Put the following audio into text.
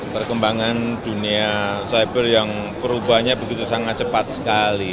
perkembangan dunia cyber yang perubahannya begitu sangat cepat sekali